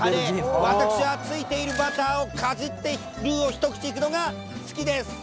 私はついているバターをかじってルーを一口いくのが好きです。